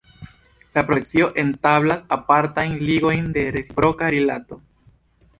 La procesio establas apartajn ligojn de reciproka Rilato.